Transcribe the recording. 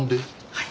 はい。